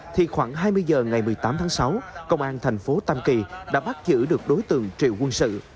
thì khoảng hai mươi giờ ngày một mươi tám tháng sáu công an tp tâm kỳ đã bắt giữ được đối tượng triệu quân sự